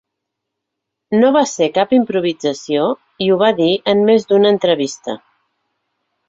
No va ser cap improvisació i ho va dir en més d’una entrevista.